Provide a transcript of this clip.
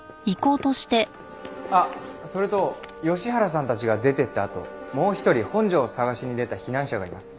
あっそれと吉原さんたちが出ていったあともう一人本庄を捜しに出た避難者がいます。